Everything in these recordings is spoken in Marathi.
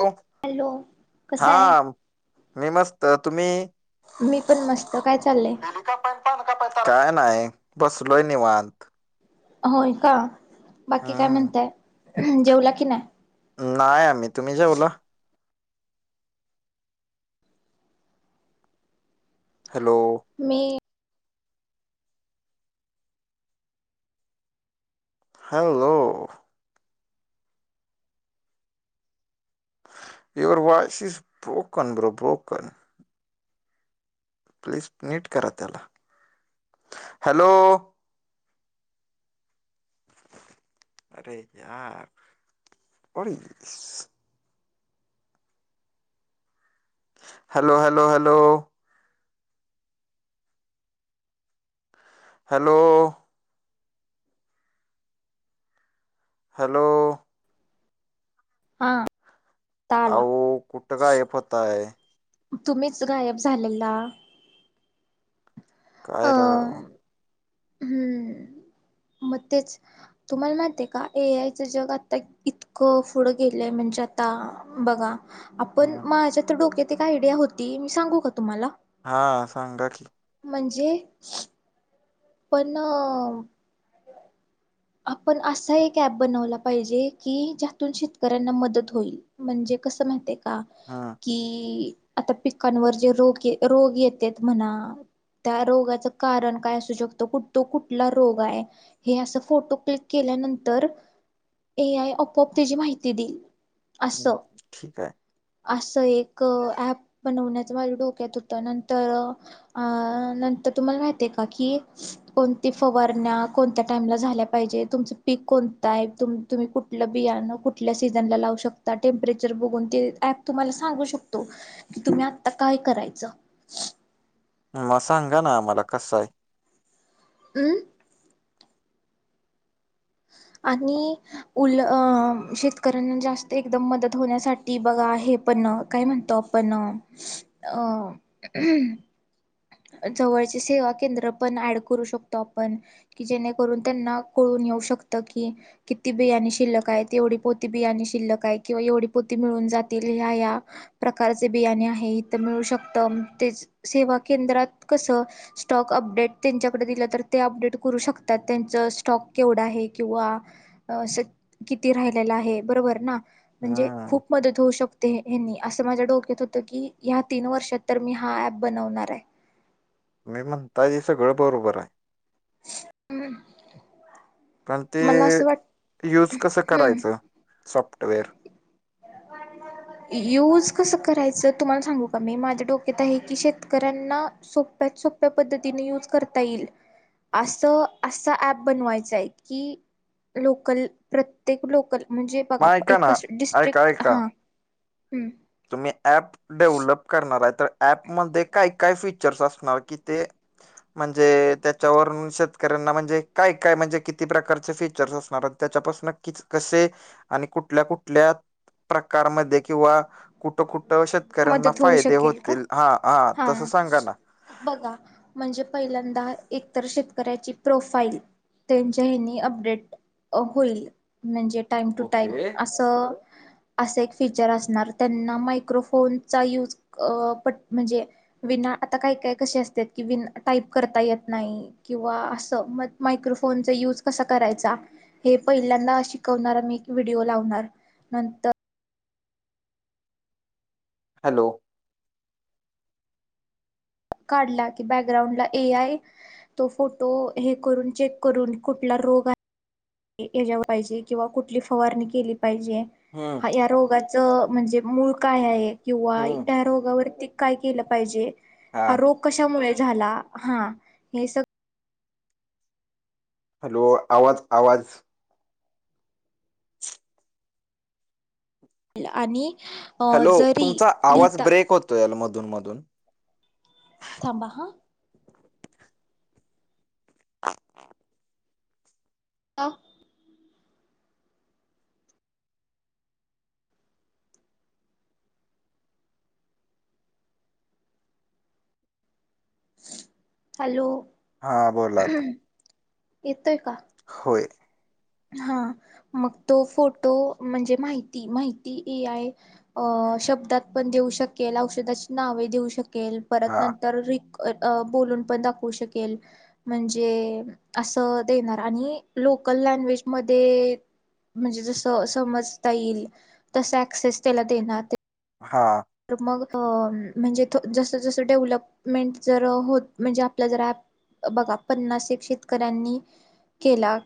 हो हॅलो हा कसा आहे. मी मस्त तुम्ही मी पण मस्त काय चाललंय. काय नाही बसलोय निवांत. अहो ऐका बाकी काय हम्म म्हणताय जेवला की नाय. नाही आम्ही तुम्ही जेवला? हॅलो. मी. Hello. Your voice is broken bro broken. Please नीट करा त्याला. हॅलो अरे यार what is this? Hello hello hello hello. Hello. हा आता आला आऊ कुठ काय पत्ता आहे. तुम्हीच गायब झालेला. काय राव. हम् मग तेच तुम्हाला माहितीय का ए आयचं जग आता इत खूप पुढं गेलंय म्हणजे आता बघा. आपण हम्म माझ्या तर डोक्यात एक आयडिया होती मी सांगू का तुम्हाला? हा सांगा की? म्हणजे? पण आपण असा एक ऍप बनवला पाहिजे की ज्यातून शेतकऱ्यांना मदत होईल. म्हणजे कसं माहतीय का? हा कि आता पिकांवर जे रोग रोग येतेत म्हणा त्या रोगाचं कारण काय असू शकतो? कुठ तो कुठला रोग आहे? हे असं फोटो क्लिक केल्यानंतर ए आय आपोआप त्याची माहिती दिल. हम्म, असं ठीक आहे असं एक ऍप बनवण्याच माझ्या डोक्यात होतं नंतर अ नंतर तुम्हाला माहितय का की कोणती फवारण्या कोणत्या टाइमला झाल्या पाहिजे तुमचं पीक कोणतं आहे तुम्ही कुठलं बियाणं कुठल्या सीझन लावू शक टेम्परेचर बघून ते ऍप तुम्हाला सांगू शकतो. कि तुम्ही आता काय करायचं म सांगा ना आम्हाला कस आहे. [inaudible] आणि उल शेतकऱ्यांना जास्त एकदम मदत होण्यासाठी बघा हे पण काय म्हणतो पण अ [unintelligible] जवळचे सेवा केंद्र पण ऍड करू शकतो आपण कि जेणेकरून त्यांना कळून येऊ शकत. की किती बियाणे शिल्लक आहेत. एवढी पोती बियाणे शिल्लक आहे. किंवा एवढी पोती मिळून जातील ह्या ह्या प्रकारचे बियाणे आहे इथ मिळू शकत तेच सेवा केंद्रात कसं स्टॉक अपडेट त्यांच्याकडे दिलं, तर ते अपडेट करू शकतात त्यांच स्टॉक केवढा आहे किंवा अस किती राहिलेला आहे, बरोबर ना? म्हणजे हम्म खूप मदत होऊ शक ते यांनी असं माझ्या डोक्यात होतं की, या तीन वर्षात तर मी हा ऍप बनवणार आहे. मी म्हणता हे सगळं बरोबर आहे. ह [unintelligible] पण ते यूज कसं हम्म करायचं, सॉफ्टवेअर? [inaudible] युज कसं करायचं तुम्हाला सांगू का मी, माझ्या डोक्यात आहे की शेतकऱ्यांना सोप्यात सोप्या पद्धतीने युज करता येईल. असं असा ऍप बनवायचा आहे की लोकल प्रत्येक लोकल म्हणजे मग बघा ऐका एक ना अशी डिस ऐका ऐका हम्म. तुम्ही ॲप डेव्हलप करणार आहे तर, ऍपमध्येध्ये काय काय फीचर्स असणार, की ते म्हणजे त्याच्यावरून शेतकऱ्यांना म्हणजे काय काय म्हणजे किती प्रकारचे फीचर्स असणार त? त्याच्यापासून कि कसे आणि कुठल्या कुठल्या प्रकारमध्ये किंवा कुठं कुठं शेतकऱ्यांना मदत होऊ फायदे शकेल का होतील? हा हा तसं सांगा ना. बघा म्हणजे पहिल्यांदा एकतर शेतकऱ्याची प्रोफाईल त्यांच्या यांनी अपडेट होईल. म्हणजे टाईम टू टाइम ओके असं, असे एक फीचर असणार त्यांना मायक्रोफोन फोनचा यूज अ पट म्हणजे विना आता काय काय कशी असत्यात की, विन टाईप करता येत नाही. किंवा असं मग मायक्रोफोनचा युज कसा करायचा? हे पहिल्यांदा शिकवणार मी एक व्हिडीओ लावणार नंतर हॅलो? काढला कि बॅकग्राउंड ला एआय तो फोटो हे करून, चेक करून कुठला रोग आहे [unintelligible] पाहिजे किंवा कुठली फवारणी केली पाहिजे? हम्म हा या रोगा च म्हणजे मूळ काय आहे किंवा हम्म त्या रोगावरती काय केलं पाहिजे? हा रोग कशामुळे झाला? हा हे सग हॅलो? आवाज आवाज ला, आणि अ हॅलो? जरी तुमचा आवाज लिहिता ब्रेक होतोय या मधून मधून थांबाह आं हॅलो? हा बोला आता येतोय का? होय. हा, मग तो फोटो म्हणजे माहिती माहिती एआय अ शब्दात पण देऊ शकेल, औषधाची नावे देऊ शकेल, परत हा नं तर र बोलून पण दाखवू शकेल. म्हणजे असं देणार आणि लोकल लँग्वेज मध्ये म्हणजे जस समजता येईल, तसं ऍक्सेस त्याला देणार. हा. तर मग म्हणजे जसं जसं डेव्हलपमेंट जर होत म्हणजे आपलं जर ऍप बघा पन्नास एक शेतकऱ्यांनी केला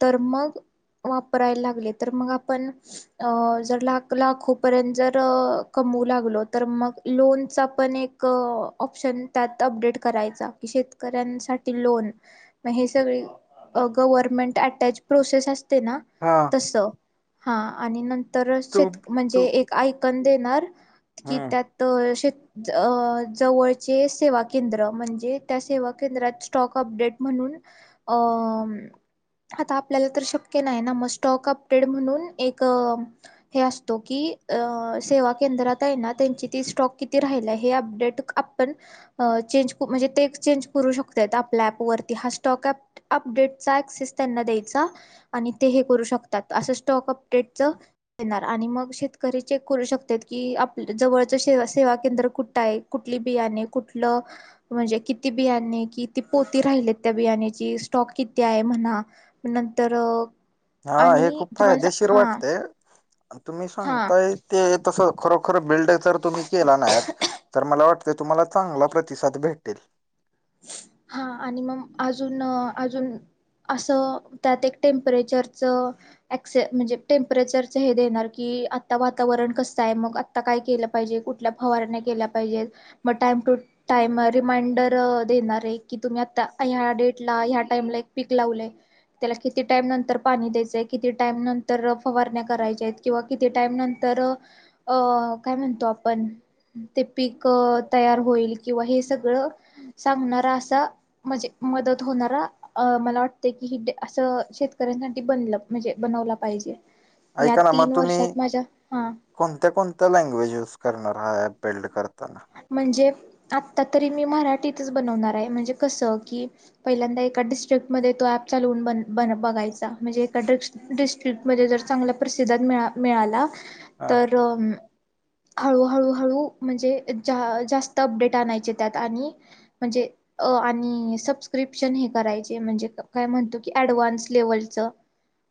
तर मग वापरायला लागले, तर मग आपण अ जर लाख लाखोपर्यंत जर कमऊ लाग लो, तर मग लोन चा पण एक ऑपशन त्यात अपडेट करायचा, शेत कऱ्यांसाठी लोन मग हे सगळी, अ गव्हर्मेंट अटॅच प्रोसेस असते ना हा स, हा आणि नंतर तू शेत म्हणजे तू एक आयकन देणार कि हम्म त्यात शे अ जवळचे सेवा केंद्र, म्हणजे त्या सेवा केंद्रात स्टॉक अपडेट म्हणून अं आता आपल्याला तर शक्य नाही ना, मग स्टॉक अपडेेट म्हणून एक अ हे असतो की, अ सेवा केंद्रात तयना, त्यांची ती स्टॉक किती राहिलाय हे अपडेट आपण अ चेंज म्हणजे ते चेंज करू शकतेत, आपल्या ऍप वरती हा स्टॉक एप् अपडेटचा ऍक्सीस त्यांना द्यायचा. आणि ते हे करू शकतात. असं स्टॉक अपडेटच देणार, आणि मग शेतकरी चेक करू शकतेत, की आप जवळचे शेवा सेवा केंद्र कुठं आहे, कुठली बियाणे, कुठलं म्हणजे किती बियाणे, किती पोती राहिले त्या बियाणीची, स्टॉक किती आहे म्हणा नंतर अ हा हे आणि खूप तुम्हाला सा फायदेशीर हा वाटतेय. तुम्ही हा सांगताय ते तसं खरोखर बिल्ड जर तुम्ही केला ना अँप, तर मला वाटत ते तुम्हाला चांगला प्रतिसाद भेटेल. हा, आणि मग अजून अ अजून असं, त्यात एक टेम्परेचरचं एक्से, म्हणजे टेम्परेचरचं हे देणार की आता वातावरण कसं आहे मग ता काय केलं पाहिजे, कुठल्या फवारण्या केल्या पाहिजे मग टाइम टू टाइम रिमाइंडर अ देणार आहे की, तुम्ही आता ह्या डेट ला ह्या टाइमला एक पीक लावलंय. त्याला किती टाईम नंतर पाणी द्यायचंय, किती टाइम नंतर फवारण्या करायच्या आहेत. किंवा किती टाईम नंतर अ काय म्हणतो आपण ते पीक तयार होईल किंवा हे सगळं सांगणारा असा, म्हणजे मदत होणारा अ मला वाटत की हि असं, शेतकऱ्यांसाठी बनलं म्हणजे बनवलं पाहिजे. या ऐका ना मग तीन तुम्ही वर्षात माझ्या, हा. कोणत्या कोणत्या लँग्वेज युज करणार हा ऍप बिल्ड करताना? म्हणजे, आता तरी मी मराठीतच बनवणार आहे, म्हणजे कस की पहिल्यांदा एका डिस्ट्रिकट मध्ये तो ऍप चालवून बन बन बघायचा, म्हणजे एका डि डिस्ट्रिक्टमध्ये जर चांगला प्रसिदात मिळा मिळाला तर अ हळू हळू हळू म्हणजे जास्त अपडेट आणायचे त्यात आणि म्हणजे अ आणि सबस्क्रिप्शन हे करायचे, म्हणजे काय म्हणतो की ऍडव्हान्स लेवलचं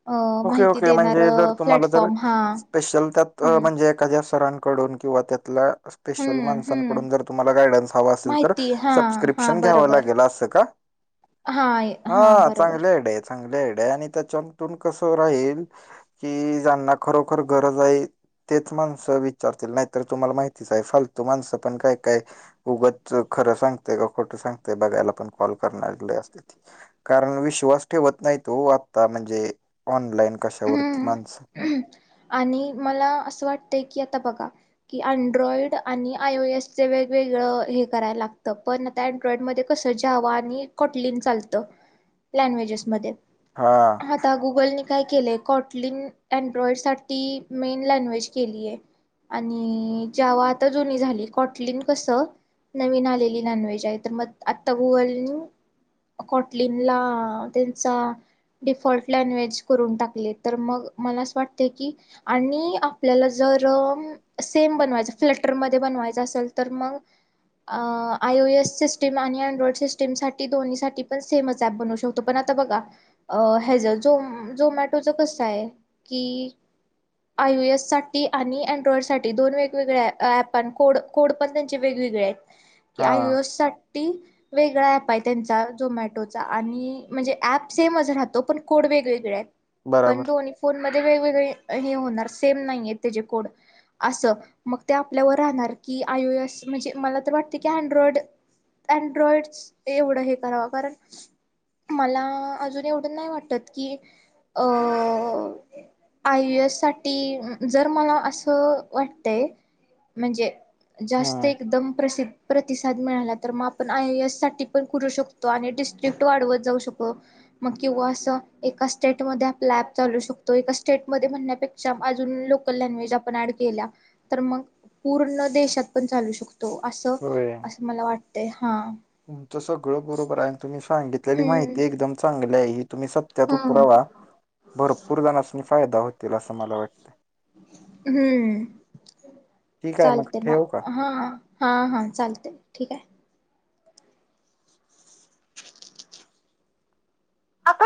अ ओके माहिती ओके म्हणजे जर देणारं तुम्हाला जर प्लॅटफॉर्म हा. स्पेशल त्यात हम्म म्हणजे एखाद्या सरांकडून किंवा त्यातला स्पेशल हम्म हम्म माणसांकडून जर तुम्हाला गायडन्स हवां असेल तर, माहिती हा हा सबस्क्रिप्शन घ्यावं बरोबर लागेल असं का? हा हा बरोबर चांगले आयडिया. चांगल्या आयडिया, आणि त्याच्यातून कसं राहील कि ज्यांना खरोखर गरज आहे तेच माणसं विचारतील, नाहीतर तुम्हाला माहितीच आहे फालतू माणसं पण काय काय उगंच खरं सांगतेय का खोटं सांगतेय बघायला पण कॉल करणारे लय असतेत. कारण विश्वास ठेवत नाहीत ओ आता, म्हणजे ऑनलाईन कशावरती माणसं हम्म आणि मला असं वाटतय की, आता बघा की अनड्रॉइड आणि आय ओ एसचे वेगवेगळं हे करायला लागतं पण त्या अँड्रॉइड मध्ये कसं जावा आणि कॉटलीन चालतं, लँग्वेजेसमध्ये हा आता गुगलने काय केलंय कॉटलिन एनड्रॉइड साठी मेन लँग्वेज केली आहे आणि जेव्हा आता जुनी झाली कॉटलिन कसं नवीन आलेली नॉनव्हेज आहे तर मग आत्ता गुगल कॉटलनला त्यांचा डिफॉल्ट लँग्वेज करून टाकले तर मग मला असं वाटत की आणि आपल्याला जर सेम बनवायचं फ्लटरमध्येध्ये बनवायच असेल तर मग अ आय ओएस सिस्टीम आणि अँड्रॉइड सिस्टीम साठी दोन्हीसाठी पण सेमच ऍप बनवू शकत त पण आता बघा अ हच झ झोमॅटोच कसं आहे की आय एस साठी आणि अँड्रॉइड साठी दोन वेगवेगळे्या ऍप को कोड पण त्यांचे वेगवेगळे कि हा आयस सा वेगळा ऍप आहे त्यांचा झोमॅटोचा आणि म्हणजे ऍप सेमच राहतो पण कोड वेगवेगळे आहेत पण बराबर दोन्ही फोन मध्ये वेगवेगळे हे होणार सेम नाहीय त्या जे कोड असं मग ते आपल्यावर राहणार की आयओ एस म्हणजे मला तर वाटते की अँड्रॉइड अँड्रॉइड एवढं हे करावं कारण मला अजून एवढं नाही वाटत की अ आययुएस साठी जर मला असं वाटतय म्हणजे जास्त हम्म एकदम प्रसिद् प्रतिसाद मिळाला तर मग आपण आय ए एस साठी पण करू शकतो आणि डिस्ट्रिक्ट वाढवत जाऊ शको मग किंवा असं एका स्टेट आपला ऍप चालू शकतो एका स्टेट मध्ये म्हणण्यापेक्षा अजून लोकल लँग्वेज आपण ऍड केल्या तर मग पूर्ण देशात पण चालू शकतो असं होय असं मला वाटत हा तुमचं सगळं बरोबर आहे आणि तुम्ही सांगितलेली हम्म माहिती एकदम चांगली आहे तुम्ही सत्यात हा उतरावा भरपूर जणसनी फायदा होतील असं मला वाटतं हम्म ठीक आहे चालते ठेवू मग का हा हा हा चालत ठीक आहे आपण